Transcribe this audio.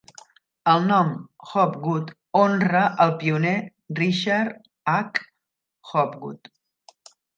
El nom Hobgood honra el pioner Richard H. Hobgood.